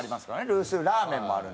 ルースラーメンもある。